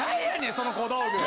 その小道具。